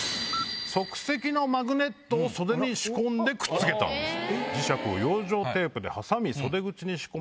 マグネットを袖に仕込んでくっつけたんです。